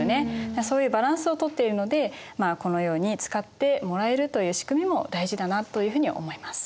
そういうバランスを取っているのでこのように使ってもらえるという仕組みも大事だなというふうに思います。